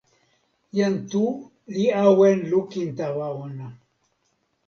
jan Tu li awen lukin tawa ona.